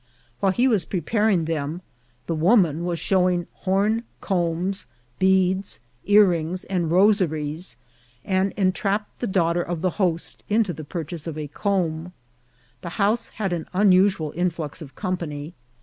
While he was preparing them the woman was showing horn combs, beads, earrings, and rosaries, and entrapped the daugh ter of the host into the purchase of a comb. The house had an unusual influx of company.